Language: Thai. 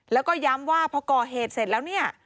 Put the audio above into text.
แล้วก็ย้ำว่าพอก่อเหตุเสร็จแล้วเนี่ย